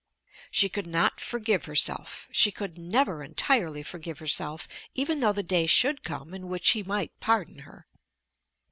She could not forgive herself. She could never entirely forgive herself, even though the day should come in which he might pardon her.